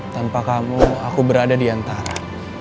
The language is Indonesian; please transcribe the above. tanpa kamu aku berada diantara